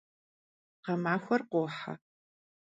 Гъэмахуэр къохьэ.